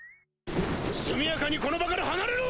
速やかにこの場から離れろ！